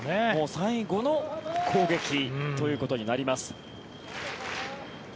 最後の攻撃ということになります。